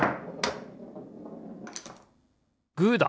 グーだ！